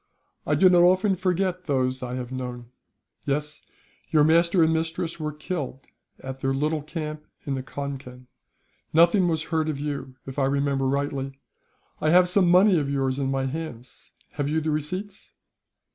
"I do not often forget those I have known. Yes; your master and mistress were killed, at their little camp on the Concan. Nothing was heard of you, if I remember rightly. I have some money of yours in my hands. Have you the receipts?"